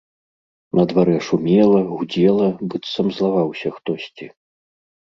На дварэ шумела, гудзела, быццам злаваўся хтосьці.